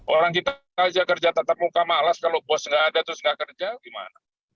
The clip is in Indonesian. orang kita kerja tetap muka malas kalau bos nggak ada terus nggak kerja gimana